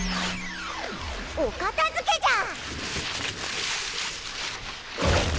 お片づけじゃ！